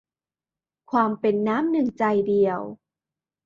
ความเป็นน้ำหนึ่งใจเดียว